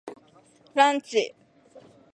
ランチ